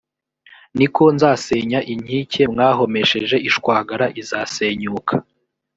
ni ko nzasenya inkike mwahomesheje ishwagara izasenyuka.